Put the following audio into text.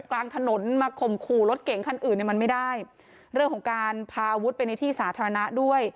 กลางถนนมาข่มขู่รถเก๋งคันอื่นเนี่ยมันไม่ได้เรื่องของการพาอาวุธไปในที่สาธารณะด้วย